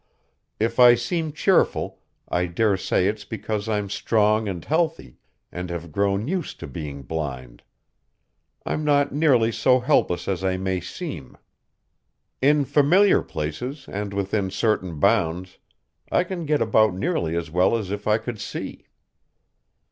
If I seem cheerful I daresay it's because I'm strong and healthy and have grown used to being blind. I'm not nearly so helpless as I may seem. In familiar places and within certain bounds, I can get about nearly as well as if I could see."